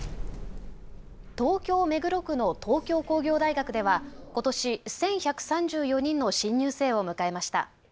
東京目黒区の東京工業大学ではことし１１３４人の新入生を迎えました。